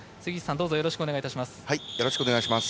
よろしくお願いします。